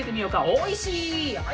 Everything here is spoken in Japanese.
おいしい。